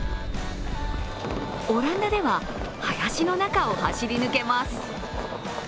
オランダでは林の中を走り抜けます。